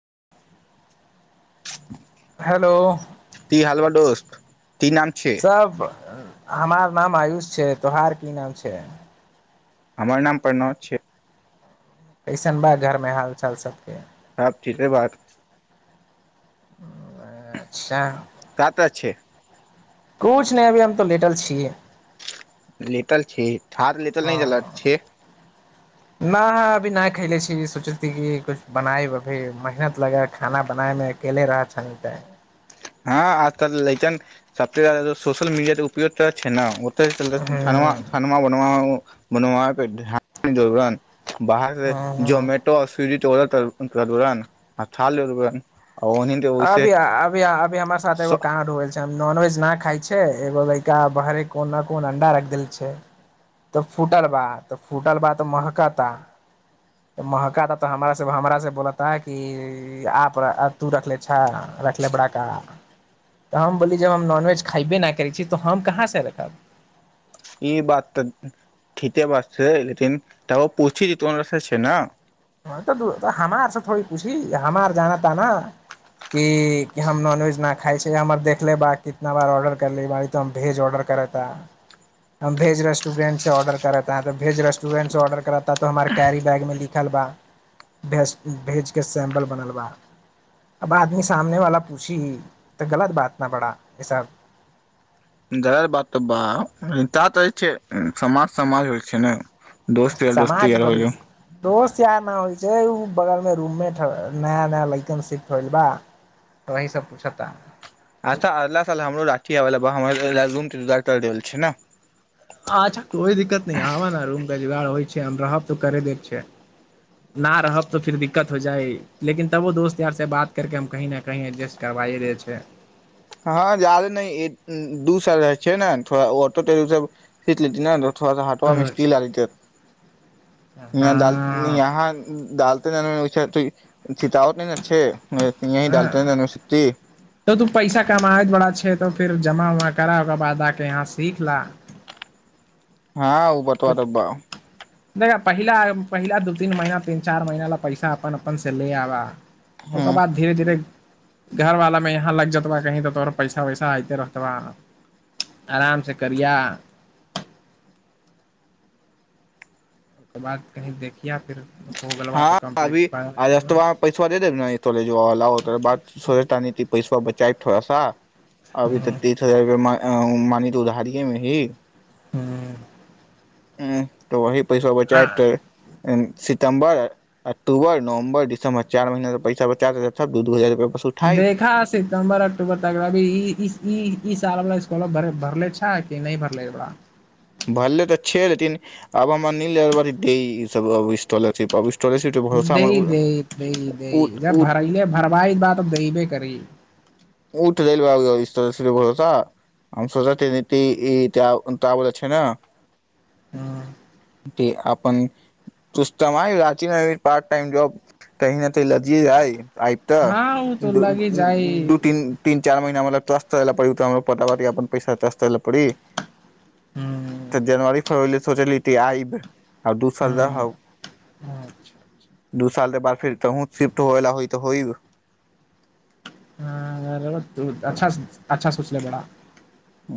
[unintelligible] hello कि हाल बा दोस्त ती नाम छै सब हमार नाम आयुष छै तोहार की नाम छै हमर नाम प्रणव छै कैसन बा घर मे हाल चाल सबके सब ठीके बारू अच्छा काता छै कुछ नहि अभी हम तो लेटल छियै लेटल छी हँ तऽ लेटले रहैत छियै ना अभी नहि खयले छी सोचैत कि किछु बनाय अभी मेहनत लगै खाना बनायमे अकेले रह छन तऽ हँ आजकल लइजन सबछे जादा तऽ सोशल मीडिया ते उपयोग तरै छै नऽ ओत चल ह थान थानव बनव मनो वहाँ पे दोगन बाहर ह जोमेटो स्विडी तुरन्त ओडल तरऽ तुरन्त था लेलु बा अभीय अभी अभ भी हमर साथ एगो काँडल छै नॉनवेज न खाय छै एगो बैका बरे कोन न कोन अंडा रख देल छै तऽ फूटल बा तऽ फूटल बा तऽ महका ता महका ता तऽ हमरा से बोलता आप तू रख लेे अच्छा रखले बाड़ का तऽ हम बोलली जब हम नॉनवेज खयबे नहि करै छी तऽ हम कहाँसँ रखब ई बात त ठीते बात छै लेकिन तब पुछि जे तोन रथले छै ने हँ तऽ हमारसँ थोड़ी पूछी हमार जाना ता न कि हम नॉनवेज नहिा खाइ छी हमर देख ले बा कितना बार ऑर्डर कर ले बी तो हम भेज ऑर्डर करता हम भेज रेस्टोरेंटसँ ऑर्डर करता तऽ भेज रेस्टोरेंटसँ ऑर्डर कराता तो हमार कैरी बैगमे लिखल बा भज भेजके सैंपल बनलवा अब आदमी सामने वाला पूछि तऽ गलत बात न बाड़ा ई सब दलत बात तऽ बा ता तहैथै समाज समाज होइ थै ने दोस्त यार दोस्ती समामज यार पड़ै होइल छै दोस्त यार न होइ छै बगल मे रूम मे नया नया लकन सिफट होल बा वही सब पूछता अच्छा अल्लाह साल हमरो राठी आब ल रूमटर छै ने अच्छा कोइ दिक्कत नहि आब ने रूमके जुगाड़ होइ छै हम रहब तऽ करे दे छ न रहब तऽ फिर दिक्कत हो जाय लेकिन तबो दोस्त यार से बात करके हम कहीं ने कही एडजेस्ट करबााय देे छै हँ जादे न दू स रह छै ने थोड़ा ऑटो ेटो सब सीट ले अथ हटआ मिस्ती अच्छा लडालाँालाँ डाल त सितवट नहि ने अच्छे यही हँ डालत है शति तऽ तू पैसा कमाब बड़ा छै तो फिर जमा उमा करा ओकर बाद आके यहाँ सीख ला हँ ओ बटटबबा देख पहिला पहिला दू तीन महीना तीन चारि महीना ला पैसा अपन अपन से ले आबा ह ओकर बाद धीरे धीरे घरवालामे यहााँ लग जेतबा कहीं तऽ तोर पैसा वैसा आयते रहतबा आराम से करिया ओकर बाद कही देखि हँ अभीस पैसोा दे देबे तो बात सोची पैसाच च थोड़ा सा अभी तऽ तीस हजार रुप मान त उधारए मे ही त वह पैसा आ बचायब तऽ एन सितमब अक्टूबर नवम्बर दिसम्ब चार महिीना त पसा बचा दे दू दू हजार रुपआ देखा सितम्बर अक्टूबर तक अभी ई ई च इकल भ भरल छ की नहि भरला भलले तऽ छै लेकन आब हमरा न ई सब स्थल द द द द जब उ- भर भरबाई बात दमे करी उ तऽ रेलवेाबर ब हम सी ई त बोल छै ने हँ अपनस्तमेच पार्ट टाइम जॉब कह नहि चिये आब तऽ हँ उ तो लगी जाइ दू तीन तीन चार महीना मतलब पड़ त पटा पटी अपन पैसा तास्त ल पड़ तऽ जनवरी फरवरी सोचलित त आइब आओ दूसर जा हउ दू सालके बाद फेर तहुँ शिफ्ट हो ला होइ तऽ होइ ह अच्छा अच्छा सोच ले बड़ा आ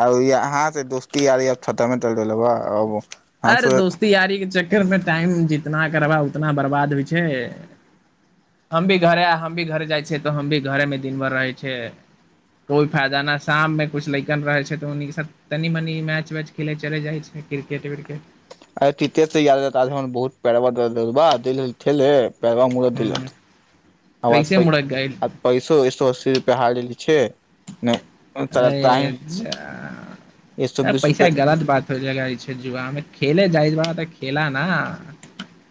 आ य हहाँ से दोस्ती य छटामे त ल लब अरे दोस्ती यारी के चक्कर मे टाइम जितना करबा इतना बर्बाद भी छै हम भी घर भी घरे जाइ छियै तो हम भी घरे मे दिन भर रहे छ कोई फायदा न शाम मे कुछ लैकन रहे छै त तनी मनी मैच वैच खेले चले जाइ क्रिकेट [unintelligible] अे तीे याद रह हम बहुत पैरबा पैरबा मुड़क देलक अब कैसे मुड़क गेल आज पैसो उसो अस्सी रुपैया हार गेली छै ने ताही ए अच्छह एक सए बीस पैसा रुपआ गलत बात हो जय छै जुआमे खेल जाइत बा गेला न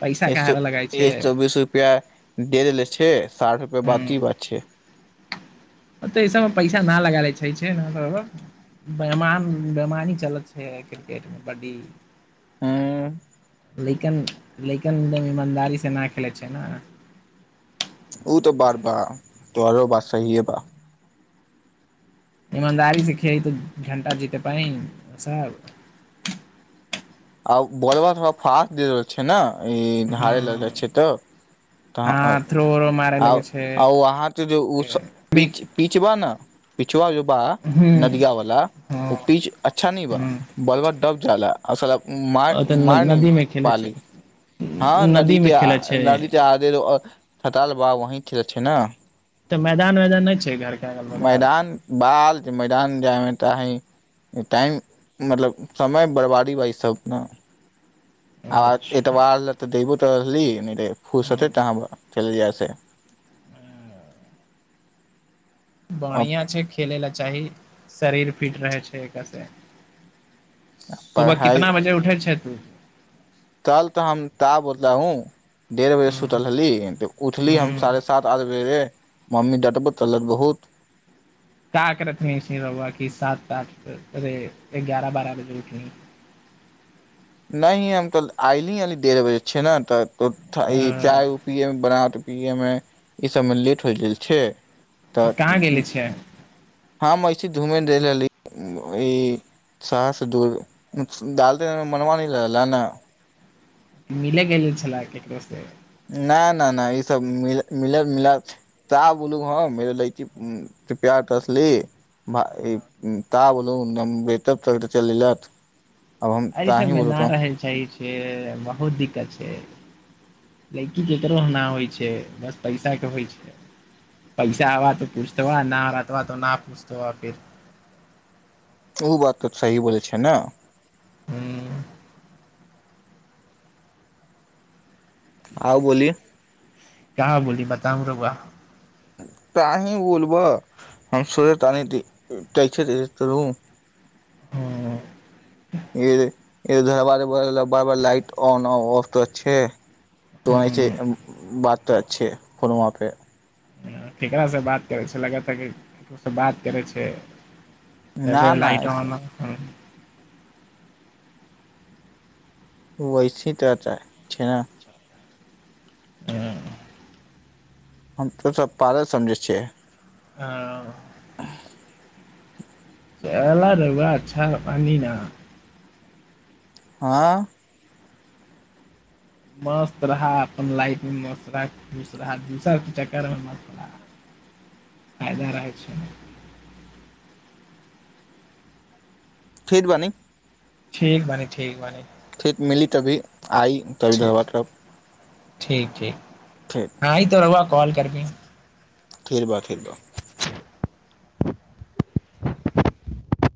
पैसा एक काहे सो ला लगाइ छै एक सौ बीस रुपया दे देेले छै साठ रुपआ बाकी बात छै ओ तऽ एहि सभमे पैसा नहि लगा लै छै छैसभ बेमान बेमानी चलै छै क्रिकेटमे बड्डी हँ लेकिन लेकिन एकदम ईमानदारीसँ नइ खेलै छै न उ तऽ बात बा तोहरो बात सहीये बा इमानदारी सिखियत घंटा जित पाई उ सब आ बोलबा थोड़ा फास्ट दे रहल छै न ई ह हारे लगले छ तऽ हँ थ्रो उरो मारे त लगै छै उ अहाँके जे हूँ पीचबा न [unintelligible] बा हँ नदिया वालला ओ पिच अच्छा नी बा हूँ बॉलवर डब जााला आओ सलाह ओ तऽ नदी मे खेलै छै हँ नदी त मे खेले छै नदी त आगे खताल बा वही खेलै छी न तऽ मैदान वदान नइ छै घर के अगल बगल मैदान बाल छै जान जाय मे चाही टाइम मतलब समय बर्बादी बा इ सब न आ अच्छा एतबार बा तऽ देब कहली न फूस हूँ होतै तहाँ खेलै जाइ छै बढ़िया छै खेले ल चाही शरीर फिट रहै छै एकर से सुबह पढ़ाइ कितना बजे उठे छै हू कल तऽ हम का बोल रहा हूँ डेढ़ बजे सुतल रहली तऽ उठली हम ह साढ़े सात आठ बजे मम्मी डाद पतलत बहुत ताकतमे इसने रहआ कि सात आठ अे गगारह बारह बजे उठी नहि हम तऽ आइली अाली ढ़ बजे छै ने तऽ तो ई चाय उ अ पियए मे बना प मे ई सबमे लेट हो गेल छै तऽ कहाँ गेले छै हँऐसे धूम रहली शहर दूर डाले मनवान लल ने मिले गेले छलै केकरो से नहि नहि नहि ई सब म मिल ता बोलू ह लची प्यार तसली ता बोलू बे त चल एहि सबमे न रहै ल चाही छै बहुत दिक्कत छै लैड़की ककरो नहि होइ छै बस पैसाके होइ छै पैसा आबा तऽ पूछतबह न रहतबह तऽ नहि पूछतबह फेर ओ बात तऽ सही बोलै छै ने ह्म आउ बोलि क्य बोली बताम रोगा तहिी बोल ब हम सरत क छै तू हँ हद धरबारे ब बार बार लाइट ऑन ऑफ तऽ छै तऽ छै ह बात तऽ अच्छे फल वहाँ पे ककरासँ बात करै छै लगातार ककरोसँ बात करै छै न त न लाट ऐसे वैसे तऽ अता छै ने ह हम तऽ सब पले समझै छियै ह [unintelligible] च रहबै अच्छा पान ने हँ मस्त रहा अपन लाइफमे मस्त रहा खुश रहा दोसरके चक्करमे मस्त रहा फायइदा रहै छै फेरबानी ठीक भानी ठीक भानी ठीक मिली तभी आई ठीक तभीबाद ठीक ठीक आ आ तर व कॉल करबी खीर बा खीर ब ठीक